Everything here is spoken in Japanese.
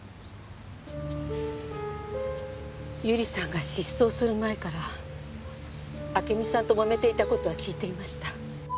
百合さんが失踪する前から暁美さんともめていた事は聞いていました。